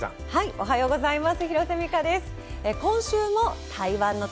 おはようございます。